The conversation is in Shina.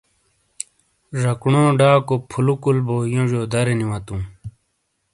ژَکُونو ڈاکو پُھلُوکُل بو یوجِیودَرینی واتُوں۔